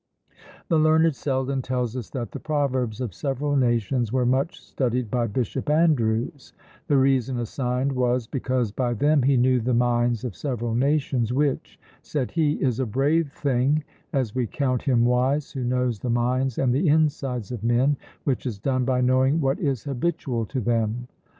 The learned Selden tells us, that the proverbs of several nations were much studied by Bishop Andrews: the reason assigned was, because "by them he knew the minds of several nations, which," said he, "is a brave thing, as we count him wise who knows the minds and the insides of men, which is done by knowing what is habitual to them."